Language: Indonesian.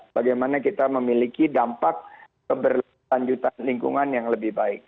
bagaimana kita memiliki dampak keberlanjutan lingkungan yang lebih baik